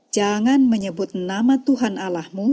jangan menyebut nama tuhan allahmu